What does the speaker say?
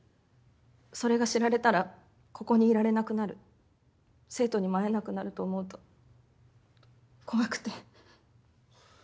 それが知られたらここにいられなくなる生徒にも会えなくなると思うと怖くて。